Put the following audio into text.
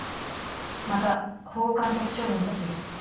また保護観察処分とする。